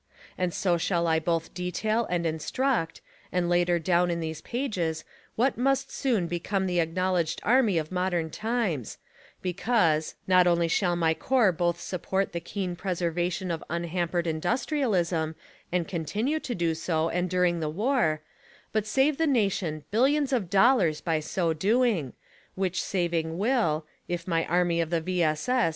And so shall I both detail and instruct, and later down in these pages, what must soon become the acknowledged army of modern times; because, not only shall my corps both support the keen preservation of un hampered industrialism, and continue to do so and during the war, but save the nation "billions of dollars" by so doing, which saving will, if my army of the V. S. S.